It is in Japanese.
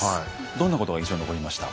どんなことが印象に残りました？